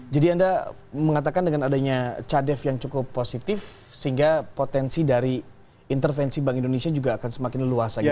jadi anda mengatakan dengan adanya cadet yang cukup positif sehingga potensi dari intervensi bank indonesia juga akan semakin leluasa gitu mas